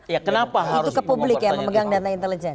itu ke publik ya memegang dana intelijen